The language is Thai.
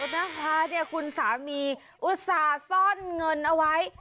นะคะคุณสามีอุตส่าห์ซ่อนเงินเอาไว้